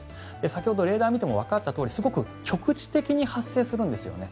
先ほど、レーダーを見てもわかったようにすごく局地的に発生するんですよね。